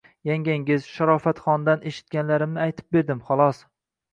Yangangiz, Sharofatxondan eshitganlarimni aytib berdim, xolos